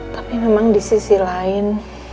tapi memang di sisi lain